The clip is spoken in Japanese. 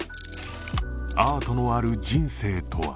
アートのある人生とは？